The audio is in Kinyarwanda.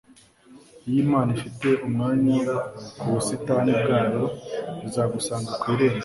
iyo imana ifite umwanya mu busitani bwayo, izagusanga ku irembo ..